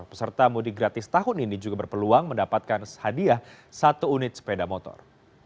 peserta mudik gratis tahun ini juga berpeluang mendapatkan hadiah satu unit sepeda motor